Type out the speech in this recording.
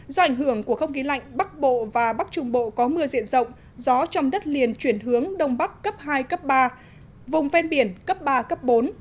do ảnh hưởng của không khí lạnh bắc bộ và bắc trung bộ có mưa diện rộng gió trong đất liền chuyển hướng đông bắc cấp hai cấp ba vùng ven biển cấp ba cấp bốn